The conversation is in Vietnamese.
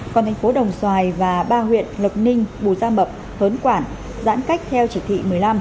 còn thành phố đồng xoài và ba huyện lộc ninh bù gia mập hớn quản giãn cách theo chỉ thị một mươi năm